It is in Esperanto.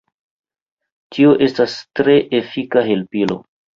Tio estas tre efika helpilo.